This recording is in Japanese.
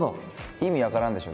意味分からんでしょ？